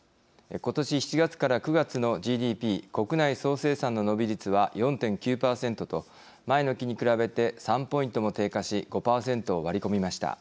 ことし７月から９月のＧＤＰ国内総生産の伸び率は４．９％と前の期に比べて３ポイントも低下し５％を割り込みました。